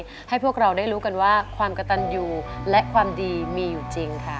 เพื่อให้พวกเราได้รู้กันว่าความกระตันอยู่และความดีมีอยู่จริงค่ะ